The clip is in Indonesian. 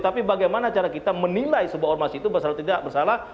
tapi bagaimana cara kita menilai sebuah ormas itu bersalah atau tidak bersalah